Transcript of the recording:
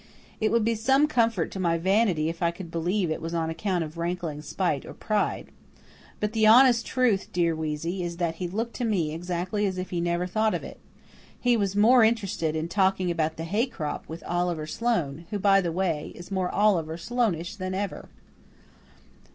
It would be some comfort to my vanity if I could believe it was on account of rankling spite or pride. But the honest truth, dear Weezy, is that it looked to me exactly as if he never thought of it. He was more interested in talking about the hay crop with Oliver Sloane who, by the way, is more Oliver Sloaneish than ever."